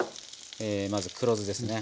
まず黒酢ですね。